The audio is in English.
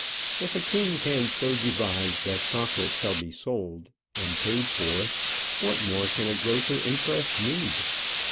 If a king can so devise that chocolate shall be sold and paid for what more can a grocer interest need?